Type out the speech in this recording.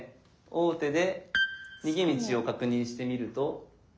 王手で逃げ道を確認してみると？